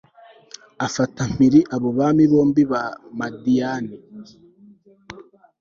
afata mpiri abo bami bombi ba madiyani